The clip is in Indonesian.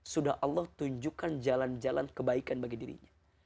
sudah allah tunjukkan jalan jalan kebaikan bagi dirinya